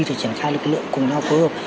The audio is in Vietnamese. để triển khai lực lượng cùng nhau phối hợp